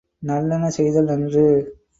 நல்லன செய்தல் நன்று.